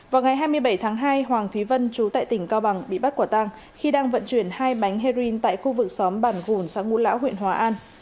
vào ngày hai mươi bảy tháng hai hoàng thúy vân chú tại tỉnh cao bằng bị bắt quả tang khi đang vận chuyển hai bánh heroin tại khu vực xóm bản vùn sáng ngũ lão huyện hòa an